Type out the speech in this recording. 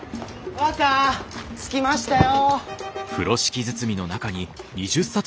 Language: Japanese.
若着きましたよ！